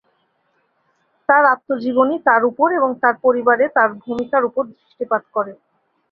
তার আত্মজীবনী তার উপর এবং তার পরিবারে তার ভূমিকার উপর দৃষ্টিপাত করে।